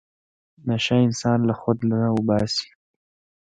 نشه انسان له خود نه اوباسي.